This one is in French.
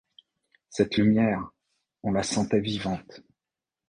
Cette lumière, on la sentait vivante !